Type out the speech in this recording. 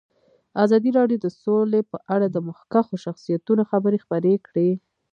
ازادي راډیو د سوله په اړه د مخکښو شخصیتونو خبرې خپرې کړي.